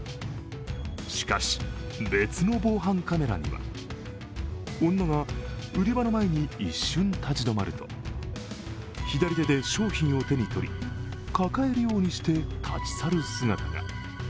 しかし、別の防犯カメラには女が売り場の前に一瞬、立ち止まると左手で商品を手に取り抱えるようにして立ち去る姿が。